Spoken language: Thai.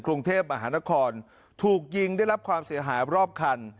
กรุงเทพมหานครถูกยิงได้รับความเสียหายรอบคัน